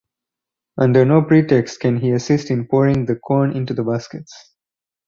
Under no pretext can he assist in pouring the corn into the baskets.